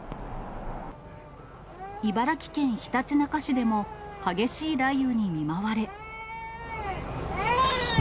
茨城県ひたちなか市でも、激しい雷雨に見舞われ。